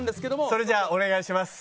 それじゃお願いします。